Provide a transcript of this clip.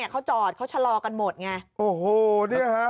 เขาจอดเขาชะลอกันหมดไง